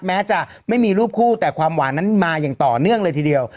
แม้จะไม่มีรูปคู่แต่ความหวานนั้นมาอย่างต่อเนื่องเลยทีเดียว